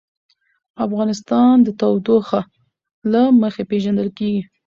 افغانستان د تودوخه له مخې پېژندل کېږي.